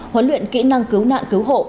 huấn luyện kỹ năng cứu nạn cứu hộ